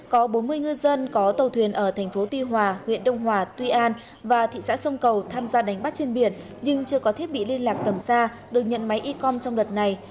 có bốn mươi ngư dân có tàu thuyền ở thành phố tuy hòa huyện đông hòa tuy an và thị xã sông cầu tham gia đánh bắt trên biển nhưng chưa có thiết bị liên lạc tầm xa được nhận máy i con trong đợt này